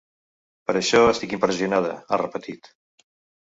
Per això estic impressionada!, ha repetit.